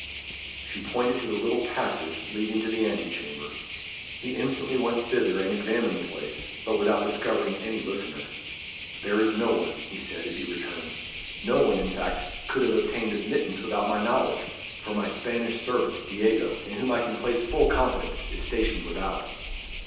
She pointed to the little passage leading to the ante chamber. He instantly went thither, and examined the place, but without discovering any listener. "There is no one," he said, as he returned. "No one, in fact, could have obtained admittance without my knowledge, for my Spanish servant, Diego, in whom I can place full confidence, is stationed without."